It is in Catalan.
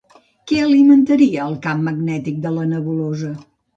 Què alimentaria el camp magnètic de la nebulosa?